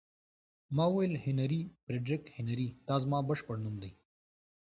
ما وویل: هنري، فرېډریک هنري، دا زما بشپړ نوم دی.